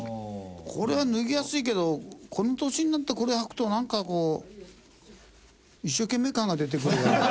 これは脱ぎやすいけどこの年になってこれ履くとなんかこう一生懸命感が出てくるから。